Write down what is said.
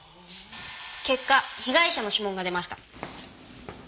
結果被害者の指紋が出ました。